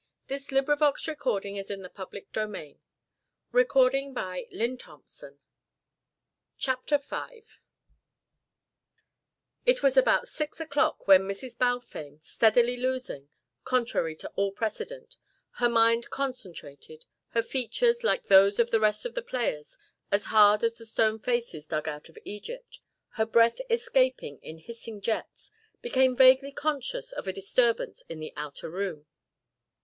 "And when you have but one servant " The tardy partner bustled in and the game began. CHAPTER V It was about six o'clock when Mrs. Balfame, steadily losing, contrary to all precedent, her mind concentrated, her features, like those of the rest of the players, as hard as the stone faces dug out of Egypt, her breath escaping in hissing jets, became vaguely conscious of a disturbance in the outer room.